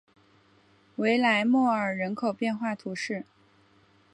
维莱莫尔人口变化图示